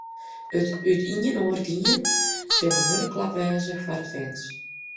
It útinoargean sil in hurde klap wêze foar de fans.